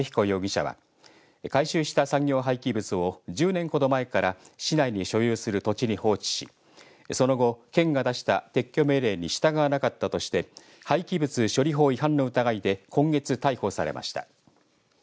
容疑者は回収した産業廃棄物を１０年ほど前から市内に所有する土地に放置しその後、県が出した撤去命令にしたがわなかったとして廃棄物処理法違反の疑いで今月、逮捕されました。